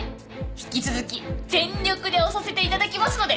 引き続き全力で推させて頂きますので。